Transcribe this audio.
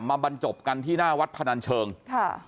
บรรจบกันที่หน้าวัดพนันเชิงค่ะ